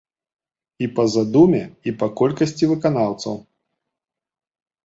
І па задуме, і па колькасці выканаўцаў.